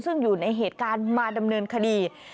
ซึ่งอยู่ในเหตุการณ์มาดำเนินคดี